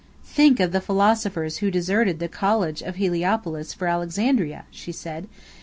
"Think of the philosophers who deserted the College of Heliopolis for Alexandria!" she said.